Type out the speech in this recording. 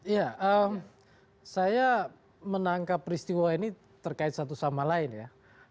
ya saya menangkap peristiwa ini terkait satu sama lain ya